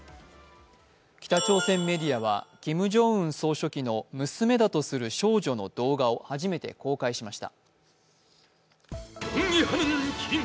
北朝鮮メディアはキム・ジョンウン総書記の娘だとする少女の動画を初めて公開しました。